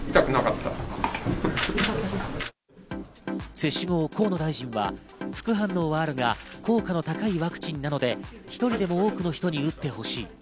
接種後、河野大臣は副反応はあるが効果の高いワクチンなので１人でも多くの人に打ってほしい。